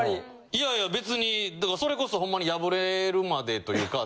いやいや別にそれこそほんまに破れるまでというか。